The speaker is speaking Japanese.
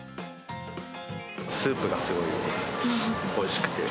スープがすごいおいしくて。